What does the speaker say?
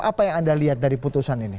apa yang anda lihat dari putusan ini